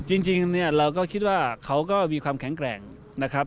จริงเนี่ยเราก็คิดว่าเขาก็มีความแข็งแกร่งนะครับ